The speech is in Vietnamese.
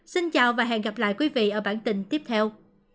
xin chào và hẹn gặp lại quý vị ở bản tin tiếp theo